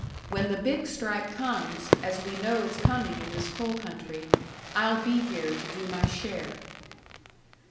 When the big strike comes, as we know it's coming in this coal country, I'll be here to do my share."